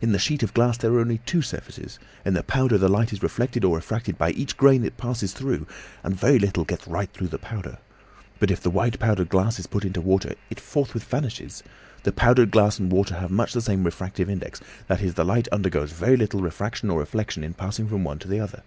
In the sheet of glass there are only two surfaces; in the powder the light is reflected or refracted by each grain it passes through, and very little gets right through the powder. But if the white powdered glass is put into water, it forthwith vanishes. The powdered glass and water have much the same refractive index; that is, the light undergoes very little refraction or reflection in passing from one to the other.